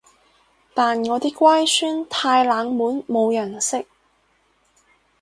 但我啲乖孫太冷門冇人識